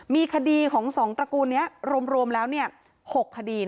มีคดีของ๒ตระกูลนี้รวมแล้ว๖คดี